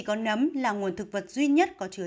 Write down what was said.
có nấm là nguồn thực vật duy nhất có chứa